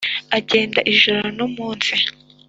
agenda ijoro nu munsi,